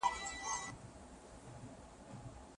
د قران احکام د ژوند رڼا ده.